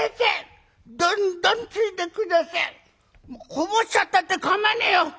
こぼしちゃったって構わねえよ。